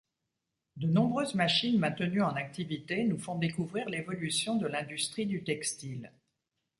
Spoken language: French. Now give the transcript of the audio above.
De nombreuses machines maintenues en activité nous font découvrir l'évolution de l'industrie du textile.